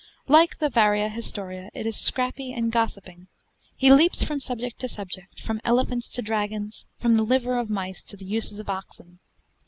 Like the 'Varia Historia', it is scrappy and gossiping. He leaps from subject to subject: from elephants to dragons, from the liver of mice to the uses of oxen.